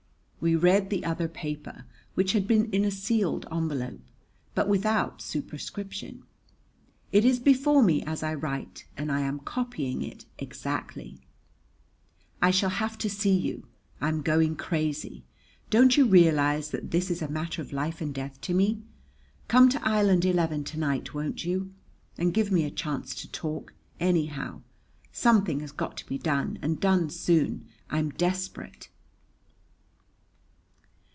We read the other paper, which had been in a sealed envelope, but without superscription. It is before me as I write, and I am copying it exactly: I shall have to see you. I'm going crazy! Don't you realize that this is a matter of life and death to me? Come to Island Eleven to night, won't you? And give me a chance to talk, anyhow. Something has got to be done and done soon. I'm desperate!